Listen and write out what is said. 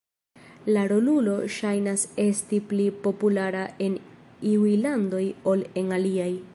La rolulo ŝajnas esti pli populara en iuj landoj ol en aliaj.